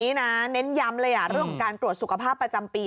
นี่นะเน้นย้ำเลยเรื่องของการตรวจสุขภาพประจำปี